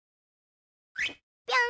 ぴょん。